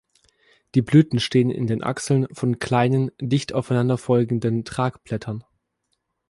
Die Blüten stehen in den Achseln von kleinen, dicht aufeinanderfolgenden Tragblättern.